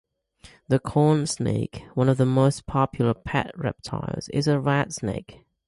The corn snake, one of the most popular pet reptiles, is a rat snake.